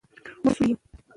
موږ مسوول یو.